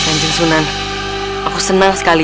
aku sangat mengagumi kanjeng sunan aku senang sekali